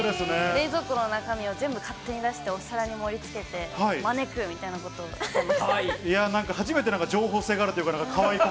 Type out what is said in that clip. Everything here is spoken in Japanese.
冷蔵庫の中身を全部勝手に出してお皿に盛りつけて、招くみたかわいい。